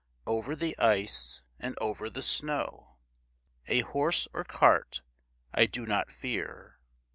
Over the ice, and over the snow; A horse or cart I do not fear.